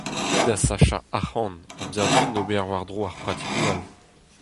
Kit da sachañ arc'hant amzer din ober war-dro ar pratikoù all.